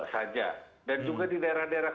saja dan juga di daerah daerah